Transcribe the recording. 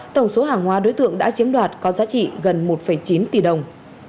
tổng số hàng hóa đối tượng đã chiếm đoạt có giá trị gần một chín tỷ đồng